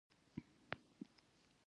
خو زما مور به يې کله کله وهله.